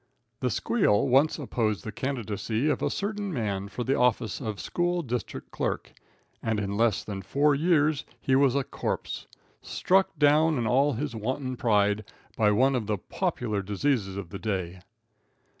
"The Squeal" once opposed the candidacy of a certain man for the office of school district clerk, and in less than four years he was a corpse! Struck down in all his wanton pride by one of the popular diseases of the day.